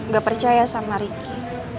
gak percaya sama riki